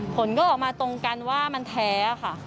ผลก็ออกมาตรงกันว่ามันแท้ค่ะ